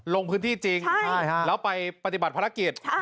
ลงพื้นที่จริงแล้วไปปฏิบัติภารกิจ